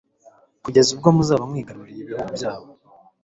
kugeza ubwo muzaba mwigaruriye ibihugu byabo